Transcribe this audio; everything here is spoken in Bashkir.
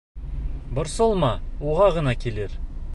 Борсолма, уға ғына килер.